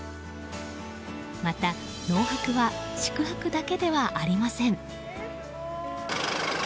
また、農泊は宿泊だけではありません。